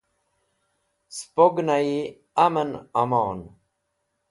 spo gẽna'yi aman amon